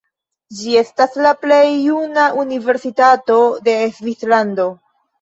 Ĝi estas la plej juna universitato de Svislando.